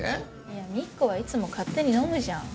いやみっこはいつも勝手に飲むじゃん。